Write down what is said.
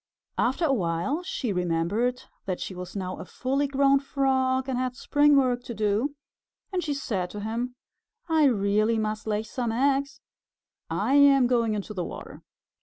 After a while she remembered that she was now a fully grown Frog and had spring work to do, and she said to him, "I really must lay some eggs. I am going into the water."